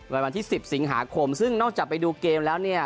วันที่๑๐สิงหาคมซึ่งนอกจากไปดูเกมแล้วเนี่ย